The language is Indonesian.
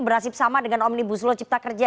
berhasil sama dengan omnibus lolo cipta kerja